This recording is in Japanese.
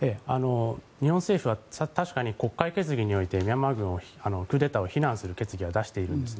日本政府は確かに国会決議においてミャンマー軍のクーデターを非難する決議を出しているんです。